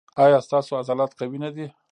ایا ستاسو عضلات قوي نه دي؟